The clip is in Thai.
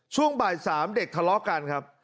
ช่วงบ่าย๓เด็กทะเลาะกันครับ